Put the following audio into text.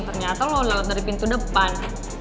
ternyata lo lewat dari pintu depan